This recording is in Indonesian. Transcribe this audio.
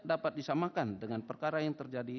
dapat disamakan dengan perkara yang terjadi